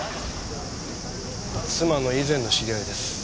妻の以前の知り合いです。